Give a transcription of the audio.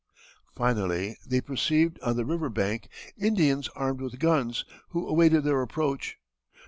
Finally they perceived on the river bank Indians armed with guns, who awaited their approach.